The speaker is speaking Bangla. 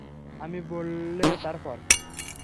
আমি বললে তারপর।